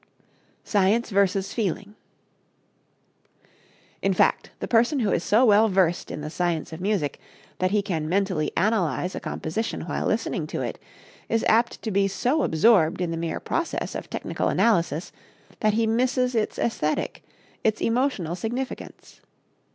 Science versus Feeling. In fact, the person who is so well versed in the science of music that he can mentally analyze a composition while listening to it is apt to be so absorbed in the mere process of technical analysis that he misses its esthetic, its emotional significance.